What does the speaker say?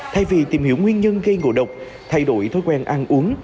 thay vì tìm hiểu nguyên nhân gây ngộ độc thay đổi thói quen ăn uống